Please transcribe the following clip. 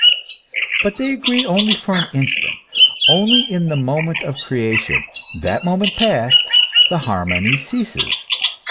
But they agree only for an instant, only in the moment of creation ; that moment past, the harmony ceases.